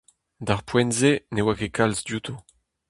D'ar poent-se ne oa ket kalz diouto.